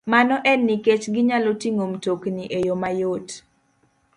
Mano en nikech ginyalo ting'o mtokni e yo mayot,